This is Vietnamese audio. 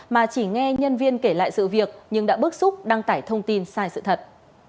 mà chỉ nghe nhân viên kể lại sự việc nhưng đã bức xúc đăng tải thông tin sai sự thật